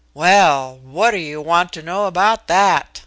"Well! What do you want to know about that?"